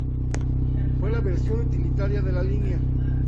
Fue la versión utilitaria de la línea.